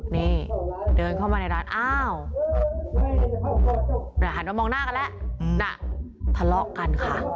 นี่เดินเข้ามาในร้านอ้าวหันมามองหน้ากันแล้วน่ะทะเลาะกันค่ะ